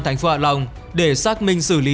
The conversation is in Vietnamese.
tp hạ long để xác minh xử lý